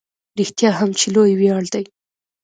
رښتیا هم چې لوی ویاړ دی.